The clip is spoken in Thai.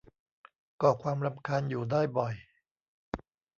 ก่อความรำคาญอยู่ได้บ่อย